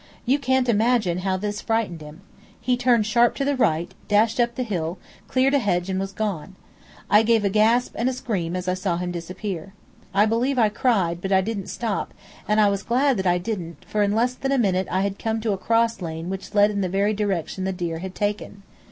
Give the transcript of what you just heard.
You can't imagine how this frightened him. He turned sharp to the right, dashed up the hill, cleared a hedge and was gone. I gave a gasp and a scream as I saw him disappear. I believe I cried, but I didn't stop, and glad I was that I didn't; for in less than a minute I had come to a cross lane which led in the very direction the deer had taken.